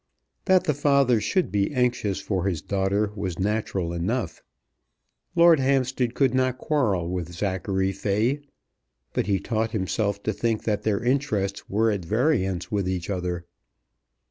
That the father should be anxious for his daughter was natural enough. Lord Hampstead could not quarrel with Zachary Fay. But he taught himself to think that their interests were at variance with each other.